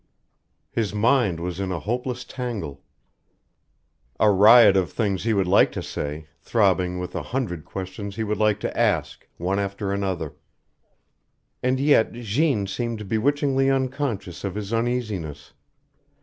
His mind was in a hopeless tangle a riot of things he would like to say, throbbing with a hundred questions he would like to ask, one after another. And yet Jeanne seemed bewitchingly unconscious of his uneasiness.